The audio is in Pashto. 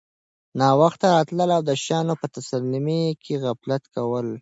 ناوخته راتلل او د شیانو په تسلیمۍ کي غفلت کول